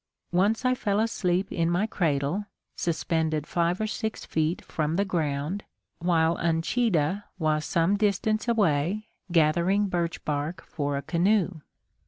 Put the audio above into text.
Once I fell asleep in my cradle, suspended five or six feet from the ground, while Uncheedah was some distance away, gathering birch bark for a canoe.